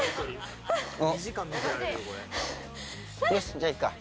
よしじゃあいくか。